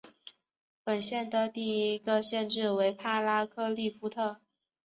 本县的第一个县治为帕拉克利夫特。